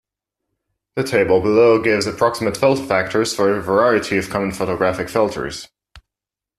The table below gives approximate filter factors for a variety of common photographic filters.